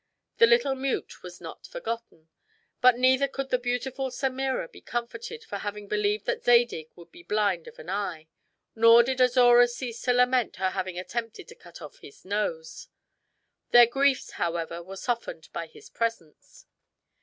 The little mute was not forgotten. But neither could the beautiful Semira be comforted for having believed that Zadig would be blind of an eye; nor did Azora cease to lament her having attempted to cut off his nose. Their griefs, however, he softened by his presents.